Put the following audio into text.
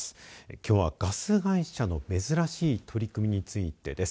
きょうはガス会社の珍しい取り組みについてです。